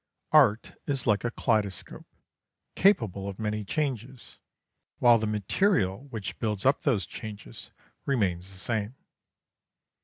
Art is like a kaleidoscope, capable of many changes, while the material which builds up those changes remains the same.